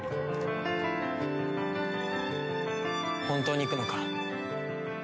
本当に行くのか？